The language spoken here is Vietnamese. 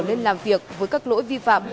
lên làm việc với các lỗi vi phạm